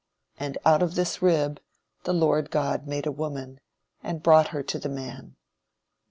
And out of this rib, the Lord God made a woman, and brought her to the man.